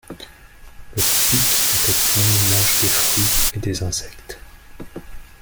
Le Pic à tête blonde mange des fruits et des insectes.